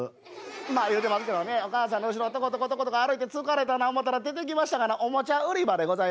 まあ言うてますけどねお母さんの後ろをトコトコトコトコ歩いて疲れたな思たら出てきましたがなおもちゃ売り場でございます。